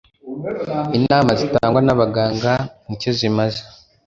Inama zitangwa n'abaganga nicyo zimaze